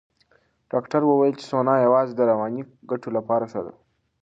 ډاکټره وویل چې سونا یوازې د رواني ګټو لپاره ښه ده.